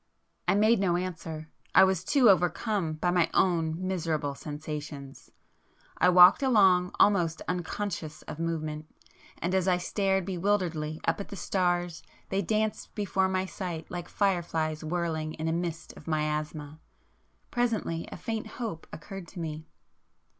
I made no answer. I was too overcome by my own miserable sensations. I walked along almost unconscious of movement, and as I stared bewilderedly up at the stars they danced before my sight like fireflies whirling in a mist of miasma. Presently a faint hope occurred to me.